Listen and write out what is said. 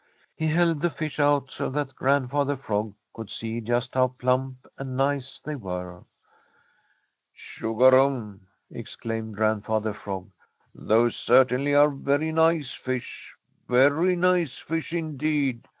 He held the fish out so that Grandfather Frog could see just how plump and nice they were. "Chugarum!" exclaimed Grandfather Frog. "Those certainly are very nice fish, very nice fish indeed.